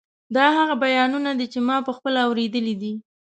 دا هغه بیانونه دي چې ما پخپله اورېدلي دي.